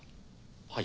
はい。